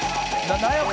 「何？